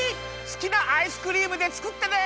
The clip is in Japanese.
すきなアイスクリームでつくってね！